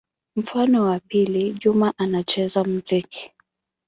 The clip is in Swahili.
Mfano wa pili: Juma anacheza muziki.